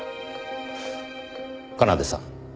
奏さん